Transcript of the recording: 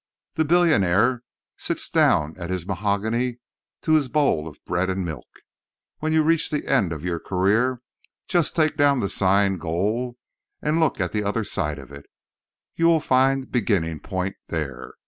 The billionaire sits down at his mahogany to his bowl of bread and milk. When you reach the end of your career, just take down the sign "Goal" and look at the other side of it. You will find "Beginning Point" there.